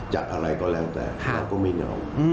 จากอะไรก็แล้วแต่เราก็ไม่เหงา